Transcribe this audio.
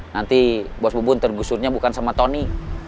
nanti bos bubun tergusurnya bukan sama tony